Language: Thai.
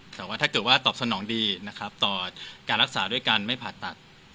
แต่ว่าถ้าเกิดว่าตอบสนองดีนะครับต่อการรักษาด้วยการไม่ผ่าตัด